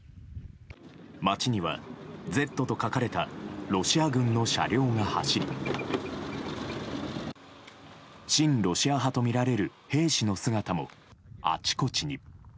街には、「Ｚ」と書かれたロシア軍の車両が走り親ロシア派とみられる兵士の姿もあちこちに。